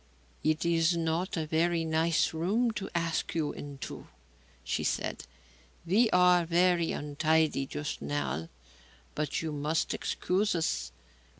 "It is not a very nice room to ask you into," she said. "We are very untidy just now, but you must excuse us.